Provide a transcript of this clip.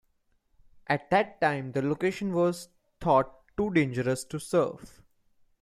At that time the location was thought too dangerous to surf.